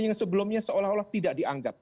yang sebelumnya seolah olah tidak dianggap